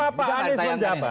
selama pak anies menjabat